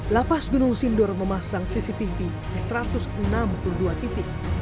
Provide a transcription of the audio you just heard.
lapas gunung sindur memasang cctv di satu ratus enam puluh dua titik